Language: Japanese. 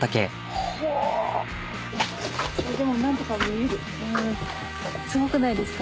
でもなんか見える。